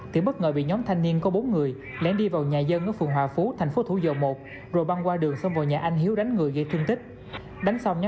thì bất ngờ bị nhóm thanh niên có bốn người lén đi vào nhà dân ở phường hòa phú thành phố thủ dầu một rồi băng qua đường xông vào nhà anh hiếu đánh người gây thương tích